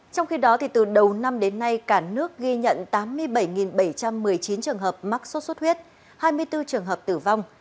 trong khi đó từ đầu năm đến nay cả nước ghi nhận tám mươi bảy bảy trăm một mươi chín trường hợp mắc sốt xuất huyết hai mươi bốn trường hợp tử vong